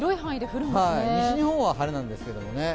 西日本は晴れなんですけれども。